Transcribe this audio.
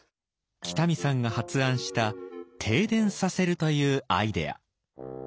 北見さんが発案した停電させるというアイデア。